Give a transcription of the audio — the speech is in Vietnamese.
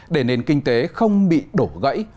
để nên kinh tế không bị đổ gãy